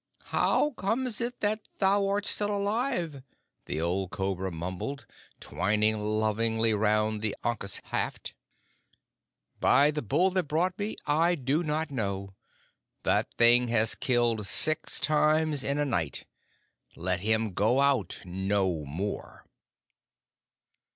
How comes it that thou art still alive?" the old Cobra mumbled, twining lovingly round the ankus haft. "By the Bull that bought me, I do not know! That thing has killed six times in a night. Let him go out no more."